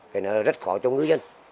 thì nó rất khó cho ngư dân